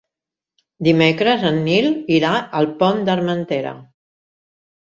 Dimecres en Nil irà al Pont d'Armentera.